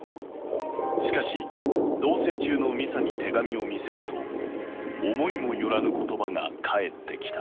しかし同棲中の美佐に手紙を見せると思いも寄らぬ言葉が返ってきた。